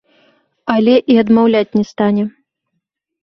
Але і адмаўляць не стане.